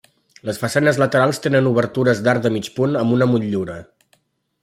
Les façanes laterals tenen obertures d'arc de mig punt amb una motllura.